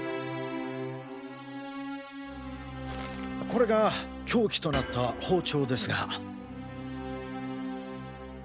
これが凶器となった包丁ですが。